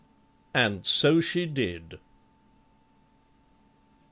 [And so she did.